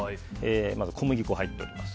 まず小麦粉が入っております。